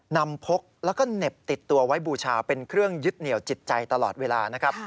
พกแล้วก็เหน็บติดตัวไว้บูชาเป็นเครื่องยึดเหนียวจิตใจตลอดเวลานะครับ